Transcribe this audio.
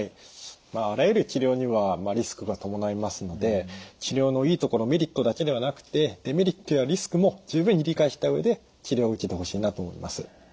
あらゆる治療にはリスクが伴いますので治療のいいところメリットだけではなくてデメリットやリスクも十分に理解した上で治療を受けてほしいなと思います。